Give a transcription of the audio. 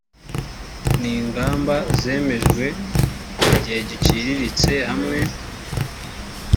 n ingamba zemejwe mu gihe giciriritse hamwe